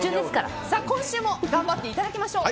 今週も頑張っていただきましょう。